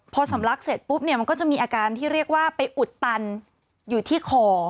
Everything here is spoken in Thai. พอสำลักเสร็จปุ๊บเนี่ยมันก็จะมีอาการที่เรียกว่าไปอุดตันอยู่ที่คอ